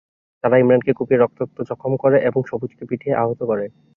তারা ইমরানকে কুপিয়ে রক্তাক্ত জখম করে এবং সবুজকে পিটিয়ে আহত করে।